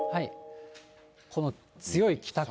この強い北風。